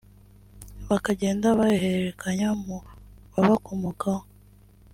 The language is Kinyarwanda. bakagenda bayahererekanya mu babakomokaho